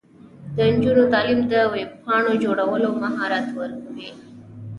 د نجونو تعلیم د ویب پاڼو جوړولو مهارت ورکوي.